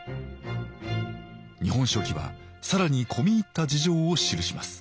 「日本書紀」は更に込み入った事情を記します。